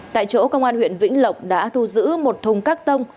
tại chỗ công an huyện vĩnh lộc đã thu giữ một thùng các tông